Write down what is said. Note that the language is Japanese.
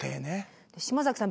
島崎さん